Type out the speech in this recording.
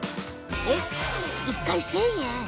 ええ、１回１０００円？